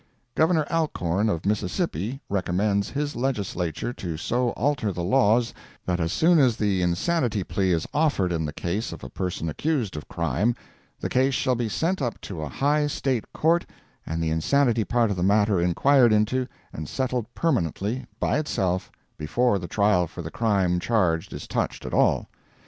Governor Alcorn, of Mississippi, recommends his Legislature to so alter the laws that as soon as the insanity plea is offered in the case of a person accused of crime, the case shall be sent up to a high State court and the insanity part of the matter inquired into and settled permanently, by itself, before the trial for the crime charged is touched at all.